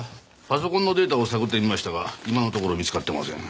パソコンのデータを探ってみましたが今のところ見つかっていません。